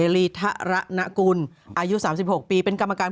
โลย